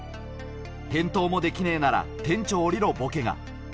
返答もできねーなら店長おりろ、ぼけが。